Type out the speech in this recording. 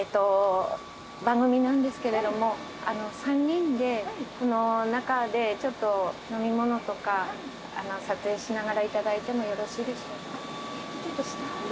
番組なんですけれども３人で中で飲み物とか撮影しながらいただいてもよろしいでしょうか？